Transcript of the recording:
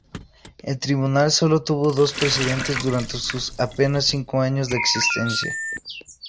El Tribunal sólo tuvo dos presidentes durante sus apenas cinco años de existencia.